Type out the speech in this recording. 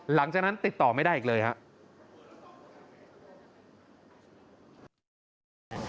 หลังจากนั้นติดต่อไม่ได้อีกเลยครับ